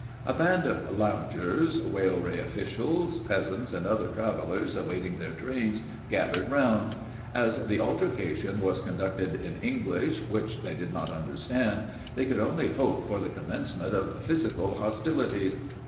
A band of loungers, railway officials, peasants, and other travellers awaiting their trains, gathered round. As the altercation was conducted in English, which they did not understand, they could only hope for the commencement of physical hostilities.